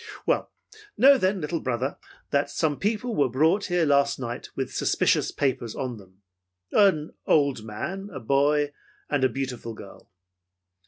Well, know then, little brother, that some people were brought here last night with suspicious papers on them. An old man, a boy and a beautiful girl.